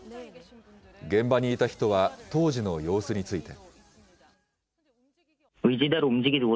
現場にいた人は当時の様子について。